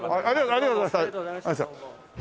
ありがとうございましたどうも。